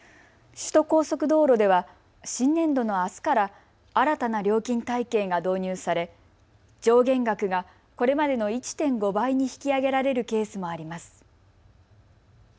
首都高速道路では新年度のあすから新たな料金体系が導入され上限額がこれまでの１．５倍に引き上げられるケースもあります。